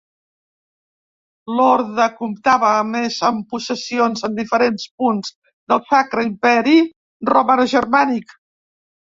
L'orde comptava, a més, amb possessions en diferents punts del Sacre Imperi Romanogermànic.